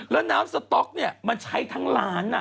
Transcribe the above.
แล้วน้ำสต๊อกเนี่ยมันใช้ทั้งร้าน